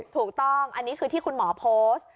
ถูกต้องอันนี้คือที่คุณหมอโพสต์